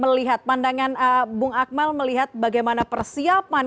melihat pandangan bung akmal melihat bagaimana persiapan